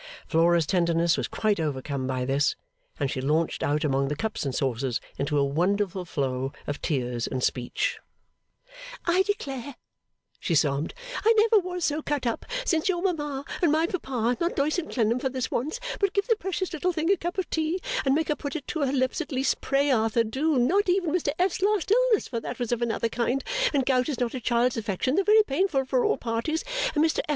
Flora's tenderness was quite overcome by this, and she launched out among the cups and saucers into a wonderful flow of tears and speech. 'I declare,' she sobbed, 'I never was so cut up since your mama and my papa not Doyce and Clennam for this once but give the precious little thing a cup of tea and make her put it to her lips at least pray Arthur do, not even Mr F.'s last illness for that was of another kind and gout is not a child's affection though very painful for all parties and Mr F.